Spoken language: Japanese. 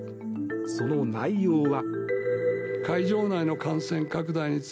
その内容は。